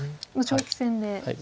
もう長期戦で。